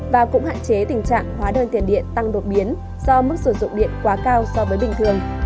và cũng hạn chế tình trạng hóa đơn tiền điện tăng đột biến do mức sử dụng điện quá cao so với bình thường